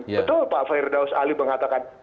betul pak firdaus ali mengatakan